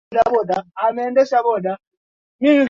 Usitumie matusi.